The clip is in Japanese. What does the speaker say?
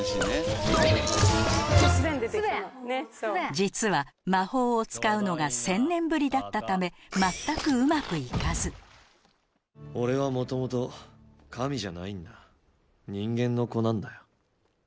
実は魔法を使うのが１０００年ぶりだったため全くうまく行かず俺は元々神じゃないんだ人間の子なんだよ。